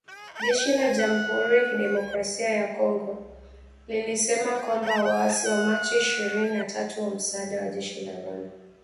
Jeshi la jamuhuri ya kidemokrasia ya kongo lilisema kwamba waasi wa Machi ishirini na tatu kwa msaada wa jeshi la Rwanda